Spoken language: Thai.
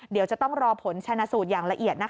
เดี๋ยวจะต้องรอผลชนะสูตรอย่างละเอียด